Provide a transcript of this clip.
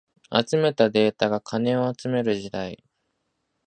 集めたデータが金を集める時代